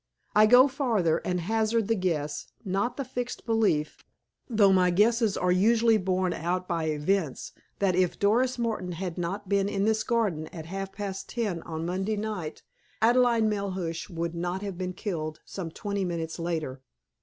I go farther, and hazard the guess, not the fixed belief, though my guesses are usually borne out by events, that if Doris Martin had not been in this garden at half past ten on Monday night, Adelaide Melhuish would not have been killed some twenty minutes later.